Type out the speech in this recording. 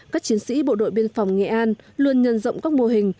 các chiến sĩ bộ đội biên phòng nghệ an luôn nhân rộng các mô hình